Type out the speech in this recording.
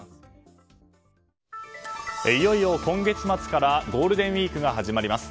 いよいよ今月末からゴールデンウィークが始まります。